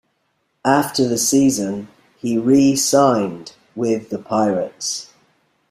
After the season, he re-signed with the Pirates.